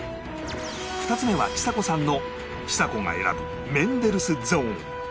２つ目はちさ子さんのちさ子が選ぶ麺デルス ＺＯＮＥ